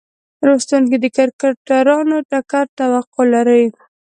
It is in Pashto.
لوستونکي د کرکټرونو ټکر توقع لري.